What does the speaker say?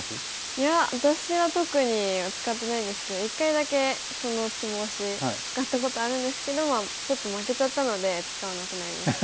いや私は特には使ってないですけど一回だけそのツボ押し使ったことあるんですけどちょっと負けちゃったので使わなくなりました。